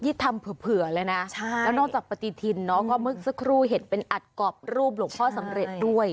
ที่ทำเผื่อเลยนะแล้วนอกจากปฏิทินเนอะก็เมื่อสักครู่เห็นเป็นอัดกรอบรูปหลวงพ่อสำเร็จด้วย